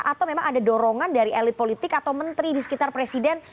atau memang ada dorongan dari elit politik atau menteri di sekitar presiden